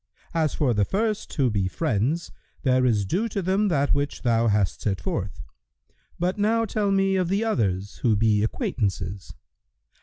[FN#114] As for the first who be friends, there is due to them that which thou hast set forth; but now tell me of the others who be acquaintances."